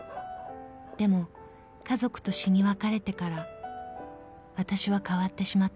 ［でも家族と死に別れてからわたしは変わってしまった］